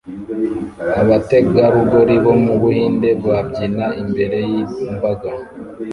abategarugori bo mubuhinde babyina imbere yimbaga